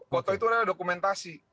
foto itu adalah dokumentasi